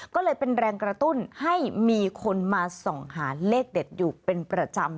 ก็เลยเป็นแรงกระตุ้นให้มีคนมาส่องหาเลขเด็ดอยู่เป็นประจำ